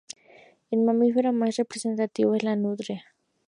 El mamífero más representativo es la nutria.